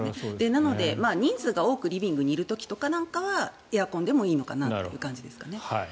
なので、人数が多くリビングにいる時なんかはエアコンでもいいのかなという感じですかね。